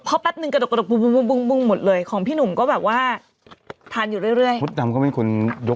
เพราะปั๊บหนึ่งกระดอกกระดอกปุ้งปุ้งปุ้งปุ้งปุ้งหมดเลยของพี่หนุ่มก็แบบว่าทานอยู่เรื่อยเรื่อย